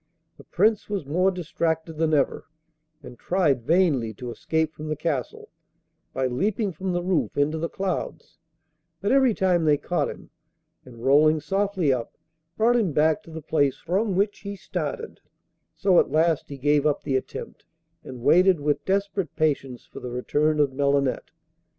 The Prince was more distracted than ever, and tried vainly to escape from the castle, by leaping from the roof into the clouds; but every time they caught him, and rolling softly up, brought him back to the place from which he started, so at last he gave up the attempt and waited with desperate patience for the return of Melinette.